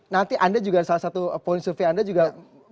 nanti anda juga salah satu point survey anda juga bisa mengkatakan